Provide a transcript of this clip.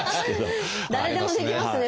誰でもできますねそれね。